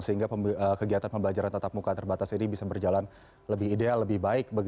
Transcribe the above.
sehingga kegiatan pembelajaran tetap muka terbatas ini bisa berjalan lebih ideal lebih baik